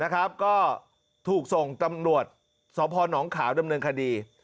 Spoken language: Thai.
ก็ถูกส่งตำรวจสพนขาวดำเนินคดี